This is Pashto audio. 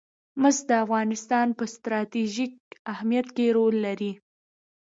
مس د افغانستان په ستراتیژیک اهمیت کې رول لري.